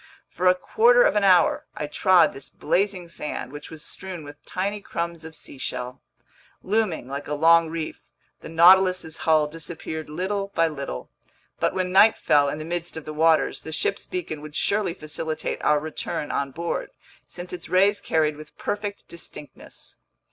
For a quarter of an hour, I trod this blazing sand, which was strewn with tiny crumbs of seashell. Looming like a long reef, the Nautilus's hull disappeared little by little, but when night fell in the midst of the waters, the ship's beacon would surely facilitate our return on board, since its rays carried with perfect distinctness.